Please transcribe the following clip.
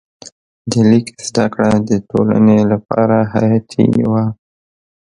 د لیک زده کړه د ټولنې لپاره حیاتي وه.